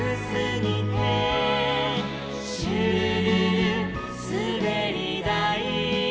「シュルルルすべりだい」